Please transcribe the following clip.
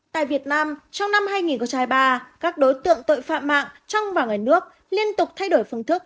tại việt nam trong năm hai nghìn hai mươi ba các đối tượng tội phạm mạng trong và ngoài nước liên tục thay đổi phương thức